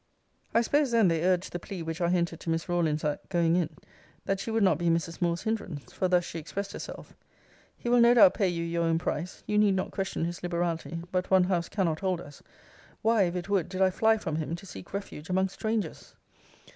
I suppose then they urged the plea which I hinted to Miss Rawlins at going in, that she would not be Mrs. Moore's hindrance; for thus she expressed herself 'He will no doubt pay you your own price. You need not question his liberality; but one house cannot hold us. Why, if it would, did I fly from him, to seek refuge among strangers?'